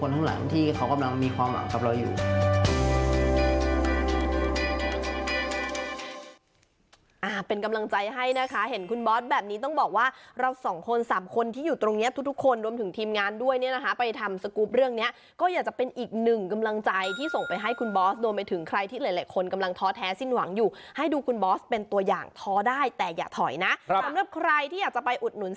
แต่หมายถึงบุคคนข้างหลังที่เขากำลังมีความหวังกับเราอยู่